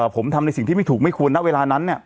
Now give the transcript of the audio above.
ผมทำอะไรสิ่งที่ไม่ถูกไม่ควรในเวลานั้นเนี่ย